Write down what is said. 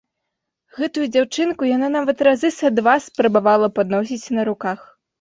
Гэтую дзяўчынку яна нават разы са два спрабавала падносіць на руках.